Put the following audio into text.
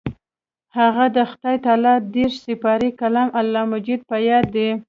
هغې د خدای تعالی دېرش سپارې کلام الله مجيد په ياد دی.